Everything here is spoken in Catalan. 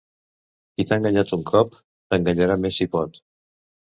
Qui t'ha enganyat un cop, t'enganyarà més si pot.